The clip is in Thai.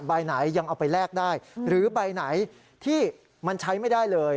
ใบไหนยังเอาไปแลกได้หรือใบไหนที่มันใช้ไม่ได้เลย